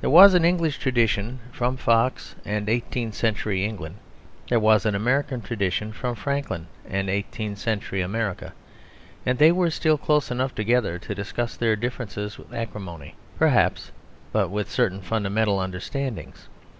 There was an English tradition, from Fox and eighteenth century England; there was an American tradition from Franklin and eighteenth century America; and they were still close enough together to discuss their differences with acrimony, perhaps, but with certain fundamental understandings.